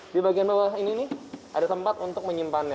di bagian bawah ini nih ada tempat untuk menyimpannya